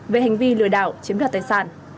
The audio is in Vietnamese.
về hành vi lừa đảo chiếm đoạt tài sản